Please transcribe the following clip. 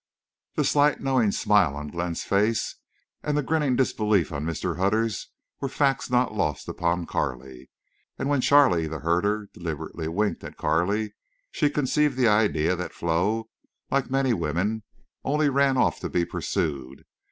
The slight knowing smile on Glenn's face and the grinning disbelief on Mr. Hutter's were facts not lost upon Carley. And when Charley, the herder, deliberately winked at Carley, she conceived the idea that Flo, like many women, only ran off to be pursued.